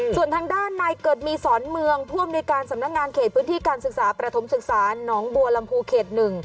ส่วนทางด้านนายเกิดมีสอนเมืองผู้อำนวยการสำนักงานเขตพื้นที่การศึกษาประถมศึกษาน้องบัวลำพูเขต๑